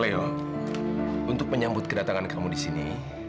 mail untuk menyambut kedatangan kamu di sini